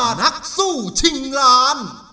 นักสู้ชิงล้าน